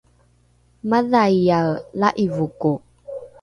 madhaiae la’ivoko